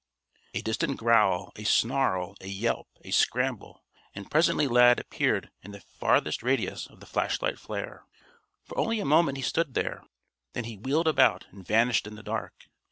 _" A distant growl, a snarl, a yelp, a scramble and presently Lad appeared in the farthest radius of the flashlight flare. For only a moment he stood there. Then he wheeled about and vanished in the dark.